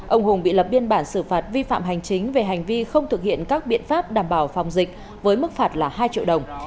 ông hùng bị lập biên bản xử phạt vi phạm hành chính về hành vi không thực hiện các biện pháp đảm bảo phòng dịch với mức phạt là hai triệu đồng